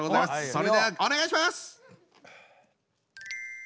それではお願いします！